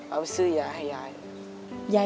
เอาไปซื้อยา